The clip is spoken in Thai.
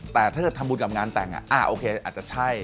แต่ถ้าเกิดทำบุญกับงานแต่งโอเคอาจจะใช่